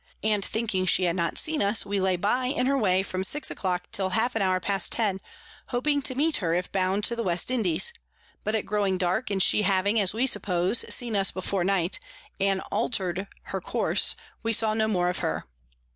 and thinking she had not seen us, we lay by in her way from six a clock till half an hour past ten, hoping to meet her if bound to the West Indies; but it growing dark, and she having, as we suppose, seen us before night, and alter'd her Course, we saw no more of her.